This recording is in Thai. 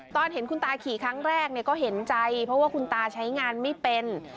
ตอนเห็นคุณตาขี่ครั้งแรกก็เห็นใจเพราะว่าคุณตาใช้งานไม่เป็น